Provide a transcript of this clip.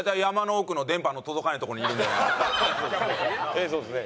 ええそうですね。